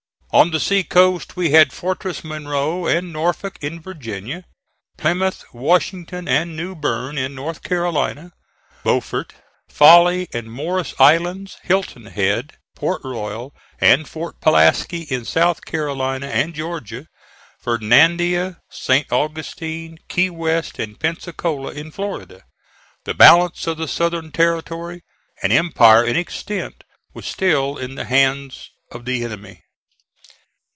On the sea coast we had Fortress Monroe and Norfolk in Virginia; Plymouth, Washington and New Berne in North Carolina; Beaufort, Folly and Morris islands, Hilton Head, Port Royal and Fort Pulaski in South Carolina and Georgia; Fernandina, St. Augustine, Key West and Pensacola in Florida. The balance of the Southern territory, an empire in extent, was still in the hands of the enemy.